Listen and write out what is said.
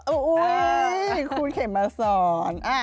อุ๊ยคูณเข็มมาสอน